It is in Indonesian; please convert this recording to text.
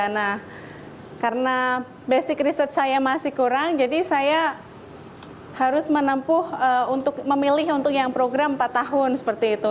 nah karena basic research saya masih kurang jadi saya harus menempuh untuk memilih untuk yang program empat tahun seperti itu